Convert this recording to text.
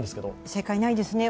正解ないですね。